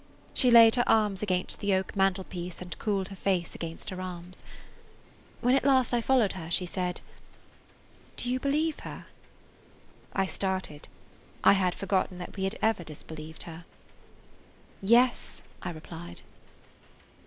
She laid her arms against the oak mantel piece and cooled her face against her arms. When at last I followed her she said: "Do you believe her?" I started. I had forgotten that we had ever disbelieved her. "Yes," I replied.